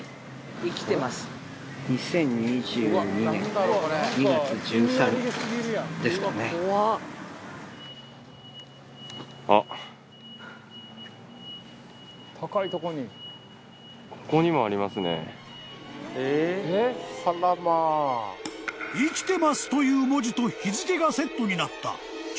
［「生きてます」という文字と日付がセットになった］